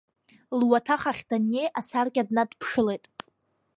Луаҭах ахь даннеи, асаркьа днадԥшылеит.